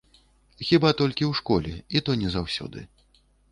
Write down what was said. Хіба толькі ў школе, і то не заўсёды.